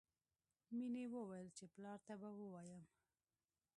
مینې وویل چې پلار ته به ووایم